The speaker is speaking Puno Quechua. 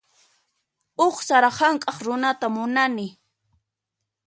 Huk sara hank'aq runata munani.